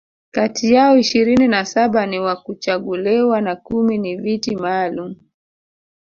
kati yao ishirini na saba ni wa kuchaguliwa na kumi ni Viti maalum